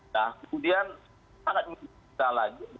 nah kemudian sangat lagi